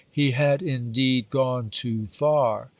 He had indeed gone too far.